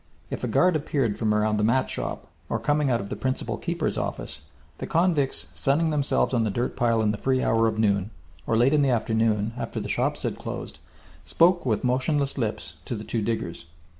If a guard appeared from around the mat shop or coming out of the Principal Keeper's office, the convicts sunning themselves on the dirt pile in the free hour of noon, or late in the afternoon, after the shops had closed, spoke with motionless lips to the two diggers.